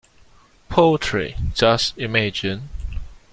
Poetry, just imagine!